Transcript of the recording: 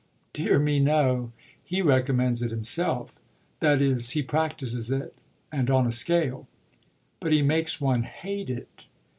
"Dear me, no; he recommends it himself. That is, he practises it, and on a scale!" "But he makes one hate it."